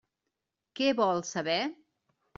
Què vol saber?